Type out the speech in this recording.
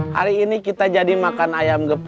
hari ini kita jadi makan ayam geprek sambal korek